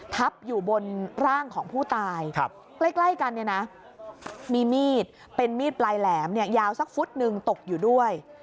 ทับอยู่บนร่างของผู้ตายใกล้กันเนี่ยนะมีมีดเป็นมีดปลายแหลมเนี่ยยาวสักฟุตหนึ่งตกอยู่ด้วย